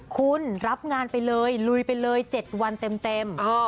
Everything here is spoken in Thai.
คุณรับงานไปเลยลุยไปเลย๗วันเต็ม